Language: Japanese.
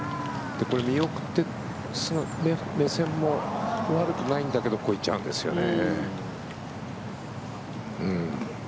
これ、見送って目線も悪くないんだけど越えちゃうんですよね。